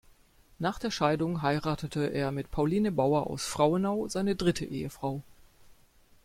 Nach der Scheidung heiratete er mit Pauline Bauer aus Frauenau seine dritte Ehefrau.